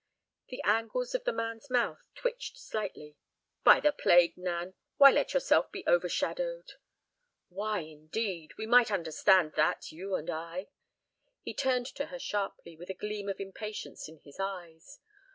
The angles of the man's mouth twitched slightly. "By the plague, Nan, why let yourself be overshadowed?" "Why—indeed! We might understand that, you and I." He turned to her sharply with a gleam of impatience in his eyes.